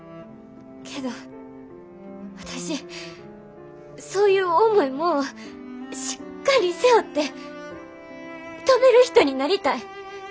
けど私そういう重いもんをしっかり背負って飛べる人になりたい。